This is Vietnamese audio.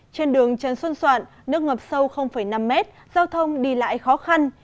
trên đường trần xuân soạn nước ngập sâu năm mét giao thông đi lại khó khăn